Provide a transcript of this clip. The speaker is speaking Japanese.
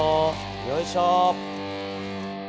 よいしょ。